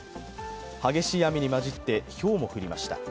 激しい雨にまじってひょうも降りました。